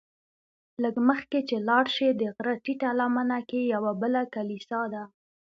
لږ مخکې چې لاړ شې د غره ټیټه لمنه کې یوه بله کلیسا ده.